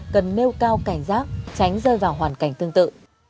cần nêu cao cảnh giác tránh rơi vào hoàn cảnh tương tự